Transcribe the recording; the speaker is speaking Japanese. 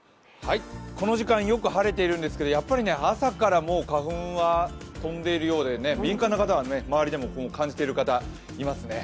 この時間よく晴れているんですけれどもやっぱり朝からもう花粉は飛んでいるようで敏感な方は、周りでも感じている方いらっしゃいますね。